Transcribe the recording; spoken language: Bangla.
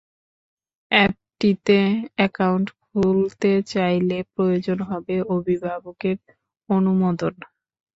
অ্যাপটিতে অ্যাকাউন্ট খুলতে চাইলে প্রয়োজন হবে অভিভাবকের অনুমোদন।